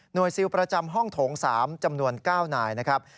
ซิลประจำห้องโถง๓จำนวน๙นายนะครับ